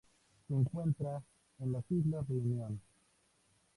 Se encuentra en las Islas Reunión.